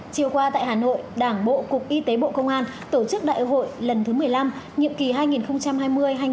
chiều qua tại hà nội đảng bộ cục y tế bộ công an tổ chức đại hội lần thứ một mươi năm nhiệm kỳ hai nghìn hai mươi hai nghìn hai mươi năm